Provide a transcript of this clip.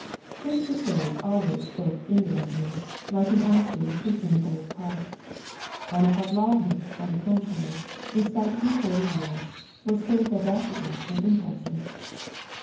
Prince Vasili always spoke indolently, like an actor rehears ing an old part. Anna Pavlovna, on the contrary, in spite of her forty years, was full of vivacity and impulses.